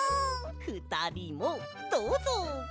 ふたりもどうぞ！